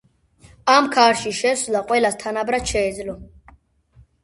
ამქარში შესვლა ყველას თანაბრად შეეძლო.